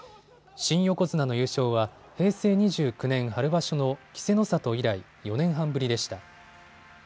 新横綱の優勝は平成２９年春場所の稀勢の里以来、４年半ぶりでした。